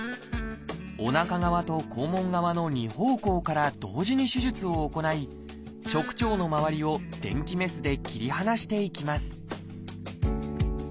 おなか側と肛門側の二方向から同時に手術を行い直腸のまわりを電気メスで切り離していきます